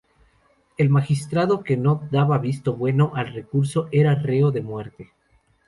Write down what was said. El magistrado que no daba visto bueno al recurso, era reo de muerte.